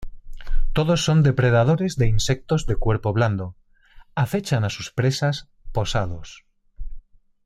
Todos son depredadores de insectos de cuerpo blando, acechan sus presas posados.